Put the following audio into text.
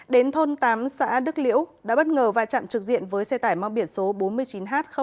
đến thôn tám xã đức liễu đã bất ngờ vài trạm trực diện với xe tải mang biển số bốn mươi chín h sáu trăm linh sáu